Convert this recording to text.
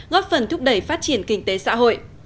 góp phần thúc đẩy phát triển kinh tế xã hội